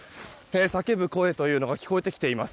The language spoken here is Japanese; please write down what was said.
叫ぶ声というのが聞こえてきています。